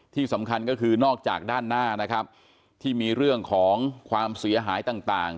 ที่สำคัญก็คือนอกจากด้านหน้านะครับที่มีเรื่องของความเสียหายต่าง